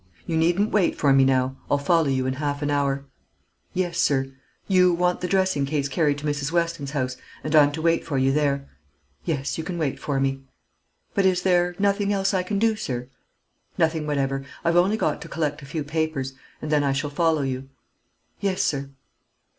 You needn't wait for me now. I'll follow you in half an hour." "Yes, sir. You want the dressing case carried to Mrs. Weston's house, and I'm to wait for you there?" "Yes; you can wait for me." "But is there nothing else I can do, sir?" "Nothing whatever. I've only got to collect a few papers, and then I shall follow you." "Yes, sir."